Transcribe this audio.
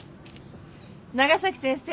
長崎先生。